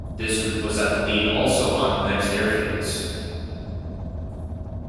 This group was at the lead also on next airfields.